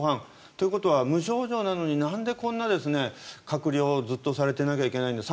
ということは無症状なのになんでこんな隔離をずっとされていなきゃいけないんだと。